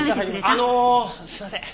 あのすいません。